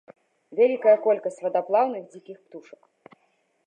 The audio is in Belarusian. Вялікая колькасць вадаплаўных дзікіх птушак.